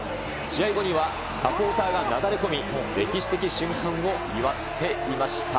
試合後にはサポーターがなだれ込み、歴史的瞬間を祝っていました。